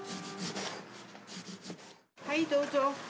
はいどうぞ。